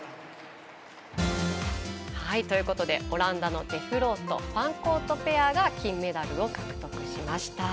オランダのデフロートファンコートペアが金メダルを獲得しました。